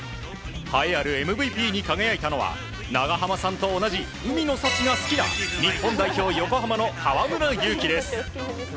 栄えあるＭＶＰに輝いたのは長濱さんと同じ海の幸が好きな日本代表、横浜の河村勇輝です。